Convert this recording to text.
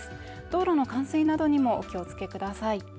道路の冠水などにもお気をつけください。